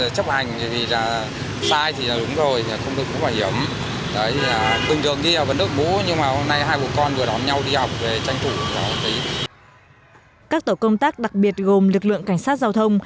các tổ công tác đặc biệt gồm lực lượng cảnh sát giao thông